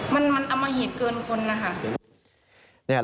มันอมหิตเกินคนนะคะ